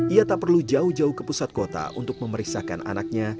ia tak perlu jauh jauh ke pusat kota untuk memeriksakan anaknya